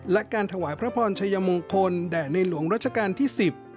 และการถวายพระพรชัยมงคลแด่ในหลวงรัชกาลที่๑๐